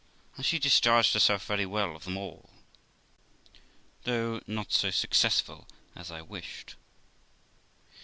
And she discharged herself very well of them all, though not so successful as I wished.